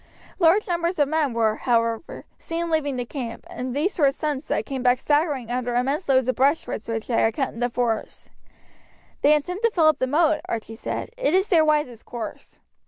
Large numbers of men were, however, seen leaving the camp, and these toward sunset came back staggering under immense loads of brushwood which they had cut in the forest. "They intend to fill up the moat," Archie said; "it is their wisest course."